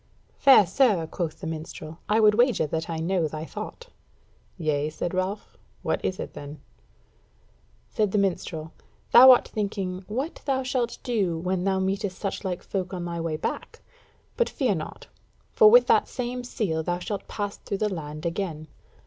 "Fair sir," quoth the minstrel, "I would wager that I know thy thought." "Yea," said Ralph, "what is it then?" Said the minstrel: "Thou art thinking what thou shalt do when thou meetest suchlike folk on thy way back; but fear not, for with that same seal thou shalt pass through the land again."